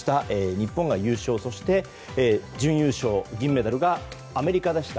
日本が優勝そして準優勝、銀メダルがアメリカでした。